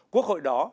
quốc hội đó